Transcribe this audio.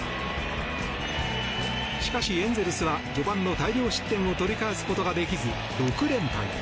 しかし、エンゼルスは序盤の大量失点を取り返すことができず６連敗。